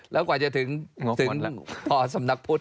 แล้วกว่าจะถึงพอสำนักพุทธ